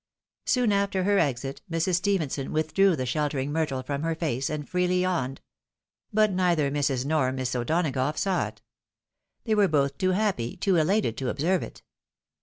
Soon after her exit, Mrs. Stephenson withdrew the shelter ing myrtle from her face, and freely yawned. But neither Mrs. nor Miss O'Donagough saw it. They were both too happy, too elated to observe it.